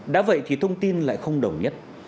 đã vậy thì thông tin lại không đồng nhất